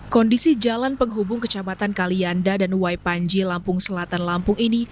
kondisi jalan penghubung kecamatan kalianda dan waipanji lampung selatan lampung ini